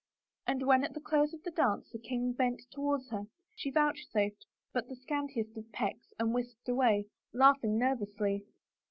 And when at the close of the dance, the king bent toward her, she vouchsafed but the scan tiest of pecks and whisked back, laughing nervously.